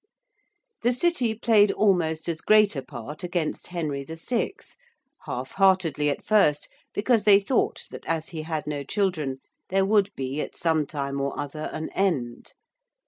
The City played almost as great a part against Henry VI. half heartedly at first, because they thought that as he had no children there would be at some time or other an end.